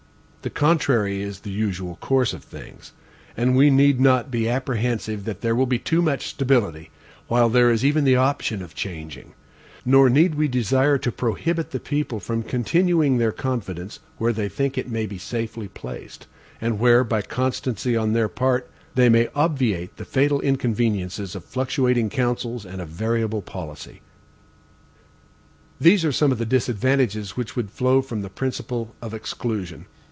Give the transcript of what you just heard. The contrary is the usual course of things. And we need not be apprehensive that there will be too much stability, while there is even the option of changing; nor need we desire to prohibit the people from continuing their confidence where they think it may be safely placed, and where, by constancy on their part, they may obviate the fatal inconveniences of fluctuating councils and a variable policy. These are some of the disadvantages which would flow from the principle of exclusion.